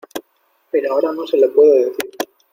pero ahora no se lo puedo decir